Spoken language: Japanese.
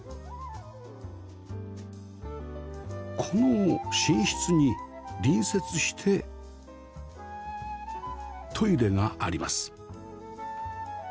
この寝室に隣接してトイレがあります